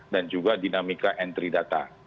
dan juga dinamika entry data